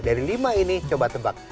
dari lima ini coba tebak